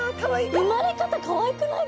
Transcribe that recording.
産まれ方かわいくないですか？